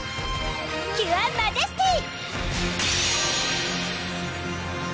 キュアマジェスティ！